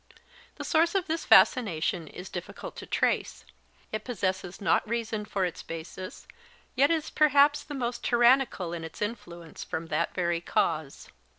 The source of this fascination is difficult to trace; it possesses not reason for its basis, yet it is perhaps the more tyrannical in its influence from that very cause.